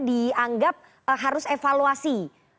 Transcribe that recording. dianggap harus evaluasi